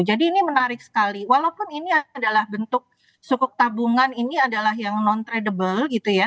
jadi ini menarik sekali walaupun ini adalah bentuk sukuk tabungan ini adalah yang non tradable gitu ya